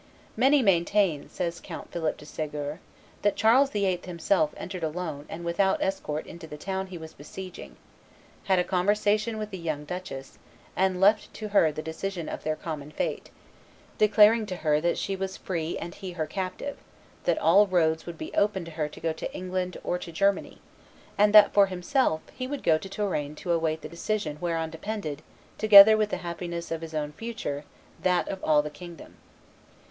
"Many maintain," says Count Philip de Segur [Histoire de Charles VIII, t. i. p. 217], "that Charles VIII. himself entered alone and without escort into the town he was besieging, had a conversation with the young duchess, and left to her the decision of their common fate, declaring to her that she was free and he her captive; that all roads would be open to her to go to England or to Germany; and that, for himself, he would go to Touraine to await the decision whereon depended, together with the happiness of his own future, that of all the kingdom."